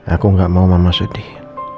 aku gak mau mama sedih